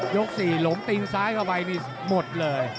๔หลงตีนซ้ายเข้าไปนี่หมดเลย